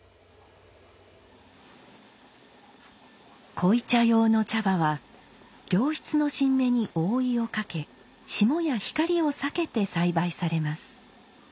濃茶用の茶葉は良質の新芽に覆いをかけ霜や光を避けて栽培されます。